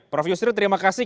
prof yusri terima kasih